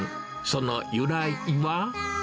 その由来は。